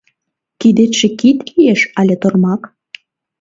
Кидетше кид лиеш але тормак?